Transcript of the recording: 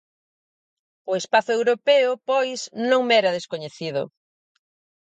O espazo europeo, pois, non me era descoñecido.